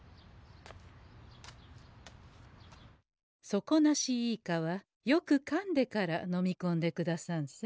「底なしイカ」はよくかんでからのみこんでくださんせ。